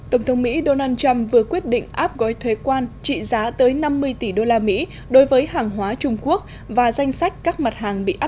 tổng thống mỹ donald trump vừa quyết định áp gói thuế quan trị giá tới năm mươi tỷ đô la mỹ đối với hàng hóa trung quốc và danh sách các mặt hàng bị áp dụng